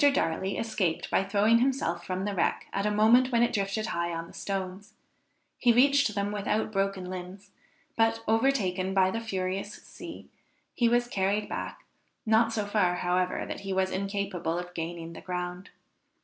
Darley escaped by throwing himself from the wreck at a moment when it drifted high on the stones; he reached them without broken limbs, but, overtaken by the furious sea, he was carried back, not so far, however, that he was incapable of regaining the ground.